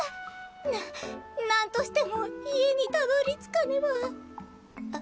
な何としても家にたどりつかねば。